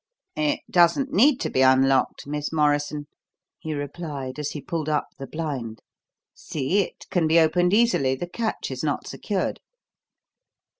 "It doesn't need to be unlocked, Miss Morrison," he replied, as he pulled up the blind. "See, it can be opened easily the catch is not secured."